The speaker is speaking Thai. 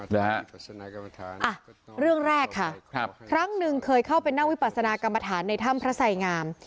นะฮะเรื่องแรกค่ะครับครั้งหนึ่งเคยเข้าไปนั่งวิปัสนากรรมฐานในถ้ำพระไสงาม